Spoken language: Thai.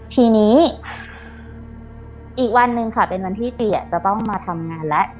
ทีนี้อีกวันหนึ่งค่ะเป็นวันที่จีจะต้องมาทำงานแล้ว